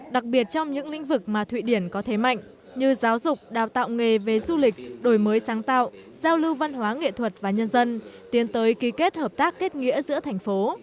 đặc biệt trong những lĩnh vực mà thụy điển có thế mạnh như giáo dục đào tạo nghề về du lịch đổi mới sáng tạo giao lưu văn hóa nghệ thuật và nhân dân tiến tới ký kết hợp tác kết nghĩa giữa thành phố